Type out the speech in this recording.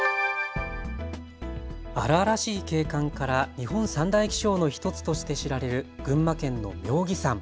荒々しい景観から日本三大奇勝の１つとして知られる群馬県の妙義山。